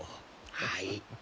はい。